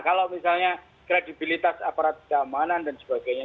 kalau misalnya kredibilitas aparat keamanan dan sebagainya